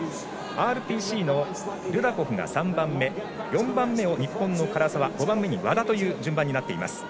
ＲＰＣのルダコフが３番目４番目を日本の唐澤５番目に和田という順番になっています。